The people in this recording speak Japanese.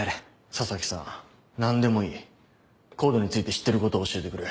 佐々木さん何でもいいＣＯＤＥについて知ってることを教えてくれ。